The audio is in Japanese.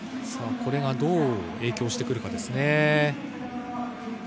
これがどう影響してくるかですね。